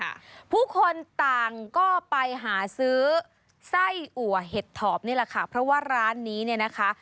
ผู้คนต่างก็ไปหาซื้อไส้อัวเห็ดถอบนี่แหละค่ะเพราะว่าร้านนี้เนี่ยนะคะ